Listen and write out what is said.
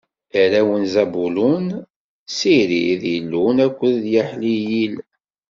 Arraw n Zabulun: Sirid, Ilun akked Yaḥliyil.